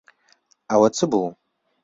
ئەوە چ بوو؟